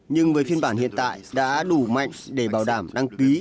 nhưng với phiên bản hiện tại đã đủ mạnh để bảo đảm đăng ký